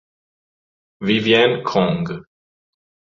Vivian Kong